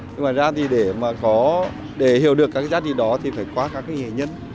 nhưng mà ra thì để hiểu được các giá trị đó thì phải qua các nghệ nhân